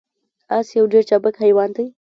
اس یو ډیر چابک حیوان دی